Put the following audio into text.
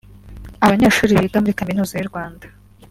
Abanyeshuri biga muri Kaminuza y’u Rwanda